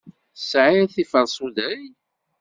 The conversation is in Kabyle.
Tesɛid tiferṣuday?